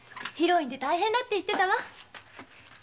広いんで大変だって言ってたわ。